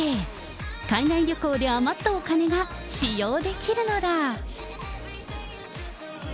海外旅行で余ったお金が使用できるのだ。